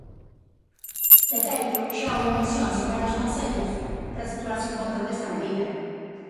De feito, xa houbo mocións en varios concellos para situarse en contra desta medida.